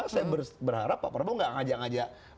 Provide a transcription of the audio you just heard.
saya berharap pak prabowo gak ngajak ngajak